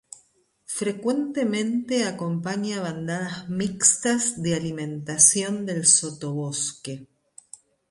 Frecuentemente acompaña bandadas mixtas de alimentación del sotobosque.